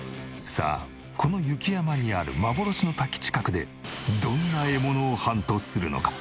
さあこの雪山にある幻の滝近くでどんな獲物をハントするのか？